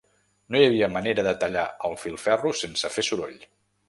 No hi havia manera de tallar el filferro sense fer soroll